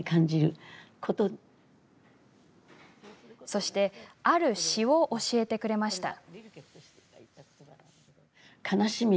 そしてある詩を教えてくれました。